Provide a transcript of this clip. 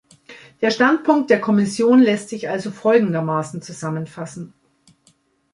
Der Standpunkt der Kommission lässt sich also folgendermaßen zusammenfassen.